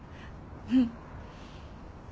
うん。